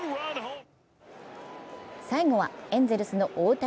最後のエンゼルスの大谷。